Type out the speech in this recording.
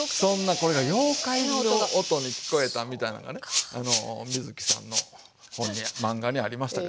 これが妖怪の音に聞こえたみたいなんがねあの水木さんの本に漫画にありましたけども。